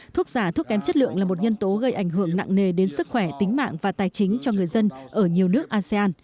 thuốc giả thuốc kém chất lượng là một nhân tố gây ảnh hưởng nặng nề đến sức khỏe tính mạng và tài chính cho người dân ở nhiều nước asean